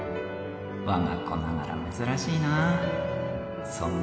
わが子ながら珍しいな。